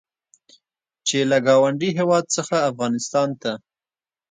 چې له ګاونډي هېواد څخه افغانستان ته